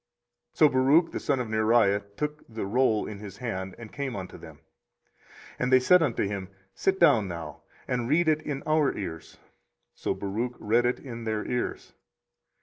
So Baruch the son of Neriah took the roll in his hand, and came unto them. 24:036:015 And they said unto him, Sit down now, and read it in our ears. So Baruch read it in their ears.